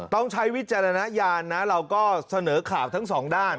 ใช้วิจารณญาณนะเราก็เสนอข่าวทั้งสองด้าน